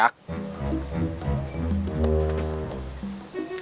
maksudnya mau diajak